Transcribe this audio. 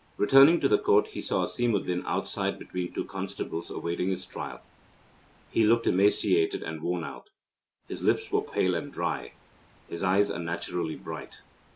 Returning to the Court, he saw Asimuddin outside between two constables, awaiting his trial. He looked emaciated and worn out. His lips were pale and dry, and his eyes unnaturally bright.